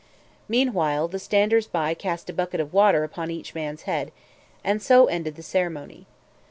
Meanwhile, the standers by cast a bucket of water upon each man's head; and so ended the ceremony.